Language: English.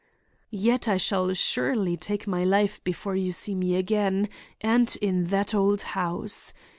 Yet I shall surely take my life before you see me again, and in that old house.